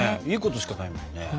いいことしかないもんね。